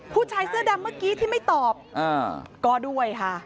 ผู้ชายเสื้อดำเมื่อกี้ที่ไม่ตอบก็ด้วยค่ะ